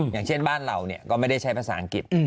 อย่างเช่นบ้านเราก็ไม่ได้ใช้ภาษาอังกฤษ